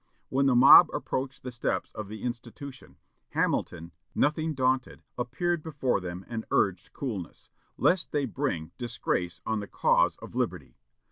When the mob approached the steps of the institution, Hamilton, nothing daunted, appeared before them, and urged coolness, lest they bring "disgrace on the cause of liberty."